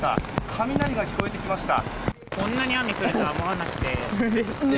雷が聞こえてきました。